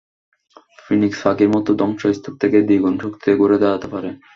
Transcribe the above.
Phoenix পাখির মতো ধ্বংস স্তূপ থেকে দ্বিগুণ শক্তিতে ঘুরে দাঁড়াতে পারে।